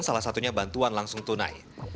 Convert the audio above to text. salah satunya bantuan langsung tunai